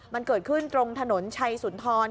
มันเกิดขึ้นตรงถนนชัยสุนทร